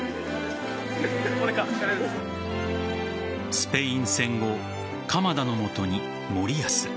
スペイン戦後、鎌田の元に森保。